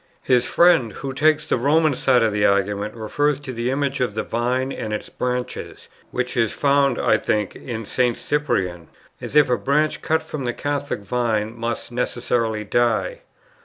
His friend, who takes the Roman side of the argument, refers to the image of the Vine and its branches, which is found, I think, in St. Cyprian, as if a branch cut from the Catholic Vine must necessarily die.